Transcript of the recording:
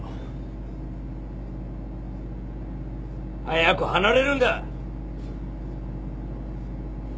早く離れるんだ！